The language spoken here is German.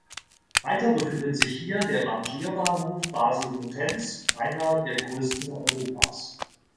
Weiter befindet sich hier der Rangierbahnhof Basel-Muttenz, einer der grössten Europas.